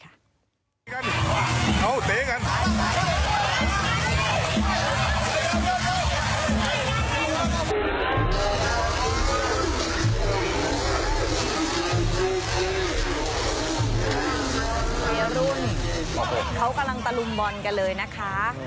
เขากำลังตะลุมบอลกันเลยนะคะ